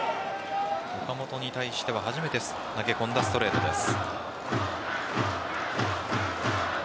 岡本に対しては初めて投げ込んだストレートです。